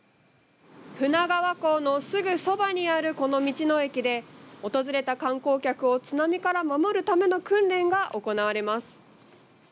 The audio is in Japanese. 船川港のすぐそばにあるこの道の駅で訪れた観光客を津波から守るための訓練が行われます。